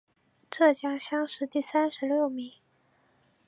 浙江乡试第三十六名。